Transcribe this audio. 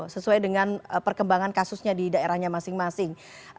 sesuai dengan perkembangan kasusnya di daerahnya masing masing